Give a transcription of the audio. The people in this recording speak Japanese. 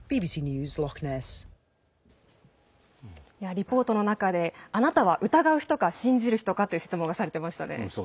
リポートの中であなたは疑う人か信じる人かと質問していましたね。